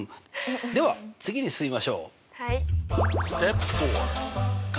では次に進みましょう。